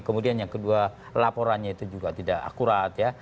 kemudian yang kedua laporannya itu juga tidak akurat ya